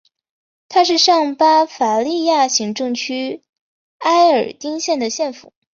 它是上巴伐利亚行政区埃尔丁县的县府。